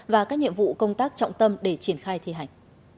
và các nhiệm vụ công tác trọng tâm để triển khai thi hành